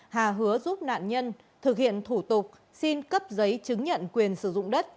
hà hứa giúp nạn nhân thực hiện thủ tục xin cấp giấy chứng nhận quyền sử dụng đất